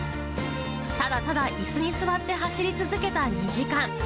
ただただいすに座って走り続けた２時間。